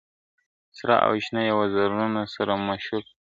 سره او شنه یې وزرونه سره مشوکه!.